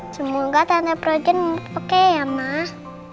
semoga tante frozen oke ya mah